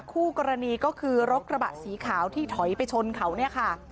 คู่กรณีก็คือรถกระบะสีขาวที่ถอยไปชนเขาเนี่ยค่ะ